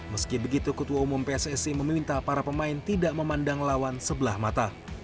meski begitu ketua umum pssi meminta para pemain tidak memandang lawan sebelah mata